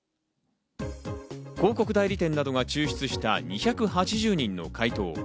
広告代理店などが抽出した２８０人の回答。